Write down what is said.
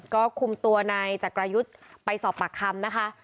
ก็คุมตัวนายจักรายุทธ์ไปสอบปากคำนะคะ